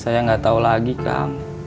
saya gak tau lagi kang